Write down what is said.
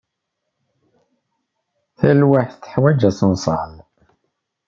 Talwaḥt teḥwaǧ aṣenṣal.